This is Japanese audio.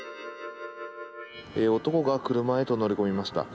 男が車へと乗り込みました。